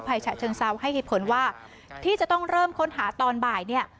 ฉะเชิงเซาให้เหตุผลว่าที่จะต้องเริ่มค้นหาตอนบ่ายเนี่ย